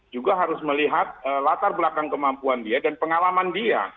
juga harus melihat latar belakang kemampuan dia dan pengalaman dia